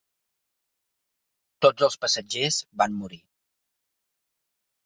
Tots els passatgers van morir.